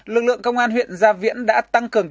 lực lượng công an huyện gia viễn đã tăng cường